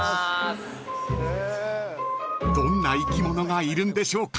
［どんな生き物がいるんでしょうか？］